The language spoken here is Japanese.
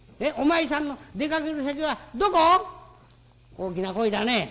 「大きな声だね。